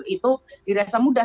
itu dirasa mudah